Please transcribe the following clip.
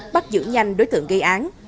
bắt giữ nhanh đối tượng gây án